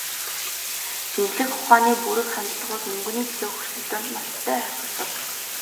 Шинжлэх ухааны бүрэг хандлагууд мөнгөний төлөөх өрсөлдөөнд ноцтой хохирдог.